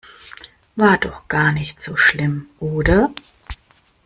War doch gar nicht so schlimm, oder?